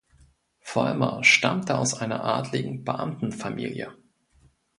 Vollmar stammte aus einer adligen Beamtenfamilie.